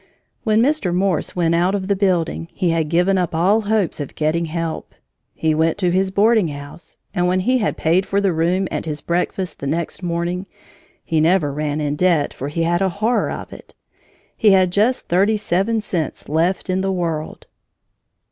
When Mr. Morse went out of the building, he had given up all hopes of getting help. He went to his boarding house, and when he had paid for the room and his breakfast the next morning, (he never ran in debt for he had a horror of it!) he had just thirty seven cents left in the world.